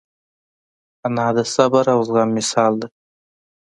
انا د صبر او زغم مثال ده